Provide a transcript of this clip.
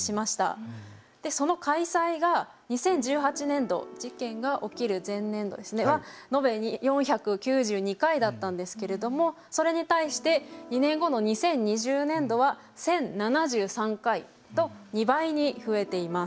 でその開催が２０１８年度事件が起きる前年度は延べ４９２回だったんですけれどもそれに対して２年後の２０２０年度は１，０７３回と２倍に増えています。